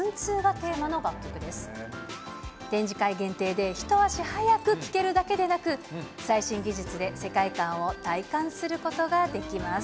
展示会限定で一足早く聴けるだけでなく、最新技術で世界観を体感することができます。